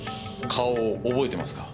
顔を覚えてますか？